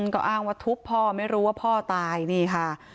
ก็อ้างว่าทุบพ่อไม่รู้ว่าพ่อตายนี่ค่ะ